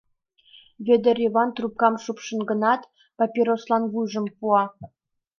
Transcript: Вӧдыр Йыван трупкам шупшеш гынат, папирослан вуйжым пуа.